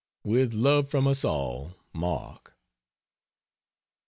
With love from us all. MARK.